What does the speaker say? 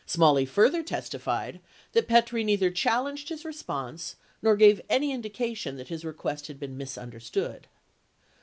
Smalley further testi fied that Petrie neither challenged his response nor gave any indica tion that his request had been misunderstood.